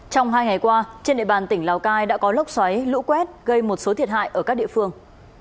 trong hai ngày qua trên địa bàn tỉnh lào cai đã có lốc xoáy lũ quét gây một số thiệt hại ở các địa phương